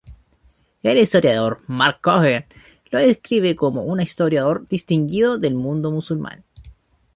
El historiador Mark Cohen lo describe como un historiador distinguido del mundo musulmán.